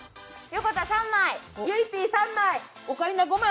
横田、３枚！